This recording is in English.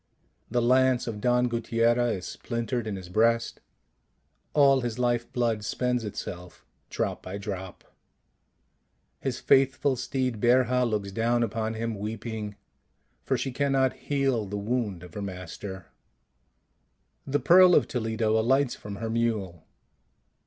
The lance of Don Guttiera is splintered in his breast: all his life blood spends itself drop by drop. His faithful steed, Berja, looks down upon him weeping, for she can not heal the wound of her master. The Pearl of Toledo alights from her mule.